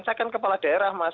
saya kan kepala daerah mas